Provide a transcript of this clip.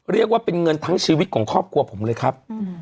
เรียกว่าเป็นเงินทั้งชีวิตของครอบครัวผมเลยครับ